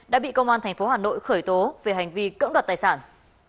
đã bị công an tp hà nội khởi tố về hành vi cưỡng đoạt tài sản